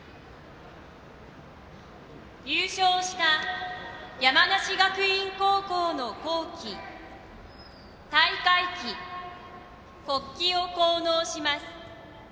優勝した山梨学院高校の校旗、大会旗、国旗を降納します。